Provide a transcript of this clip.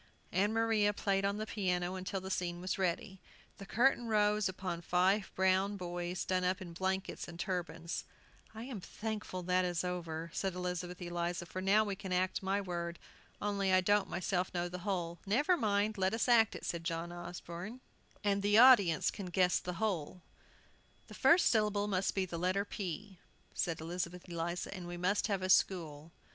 Ann Maria played on the piano till the scene was ready. The curtain rose upon five brown boys done up in blankets and turbans. "I am thankful that is over," said Elizabeth Eliza, "for now we can act my word. Only I don't myself know the whole." "Never mind, let us act it," said John Osborne, "and the audience can guess the whole." "The first syllable must be the letter P," said Elizabeth Eliza, "and we must have a school."